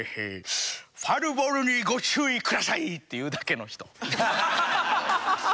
ファールボールにご注意くださいって言うだけの人。